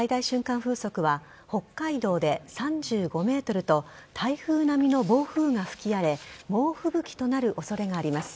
風速は北海道で３５メートルと台風並みの暴風が吹き荒れ猛吹雪となる恐れがあります。